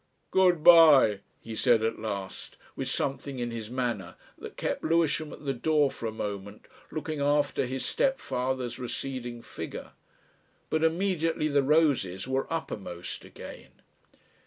"Good bye," he said at last with something in his manner that kept Lewisham at the door for a moment looking after his stepfather's receding figure. But immediately the roses were uppermost again.